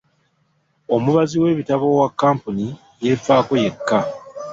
Omubazi w'ebitabo owa kkampuni yeefaako yekka.